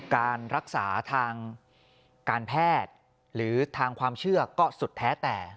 การรักษาทางการแพทย์หรือทางความเชื่อก็สุดแท้แต่